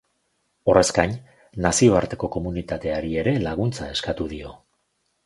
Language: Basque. Horrez gain, nazioarteko komunitateari ere laguntza eskatu dio.